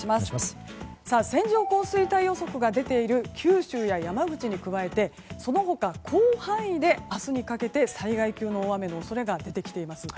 線状降水帯予測が出ている九州や山口に加えてその他、広範囲で明日にかけて災害級の大雨の恐れが出てきています。